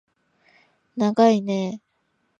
ながいねー